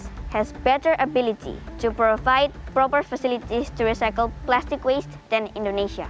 saya yakin bahwa indonesia memiliki kemampuan yang lebih baik untuk memberikan fasilitas yang tepat untuk menggabungkan plastik darah daripada indonesia